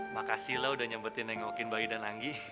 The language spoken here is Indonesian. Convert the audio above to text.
makasih lo udah nyambetin neng okin bayi dan anggi